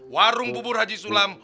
warung bubur haji sulam